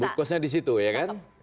bungkusnya disitu ya kan